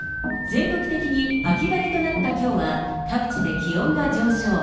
全国的に秋晴れとなったきょうは、各地で気温が上昇。